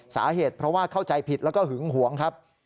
สาเหตุเพราะว่าเข้าใจผิดแล้วก็หึงหวงครับ